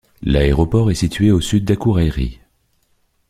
L'aéroport est situé au sud d'Akureyri.